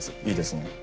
いいですね？